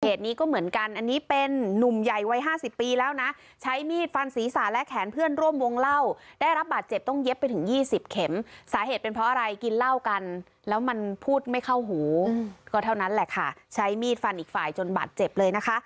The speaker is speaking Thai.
เหตุนี้ก็เหมือนกันอันนี้เป็นนุ่มใหญ่วัยห้าสิบปีแล้วนะใช้มีดฟันศีรษะและแขนเพื่อนร่วมวงเล่าได้รับบาดเจ็บต้องเย็บไปถึงยี่สิบเข็มสาเหตุเป็นเพราะอะไรกินเหล้ากันแล้วมันพูดไม่เข้าหูก็เท่านั้นแหละค่ะใช้มีดฟันอีกฝ่ายจนบาดเจ็บเลยนะคะ